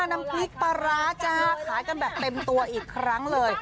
น้ำพริกปลาร้าจ้าขายกันแบบเต็มตัวอีกครั้งเลย